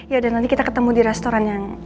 yaudah nanti kita ketemu di restoran yang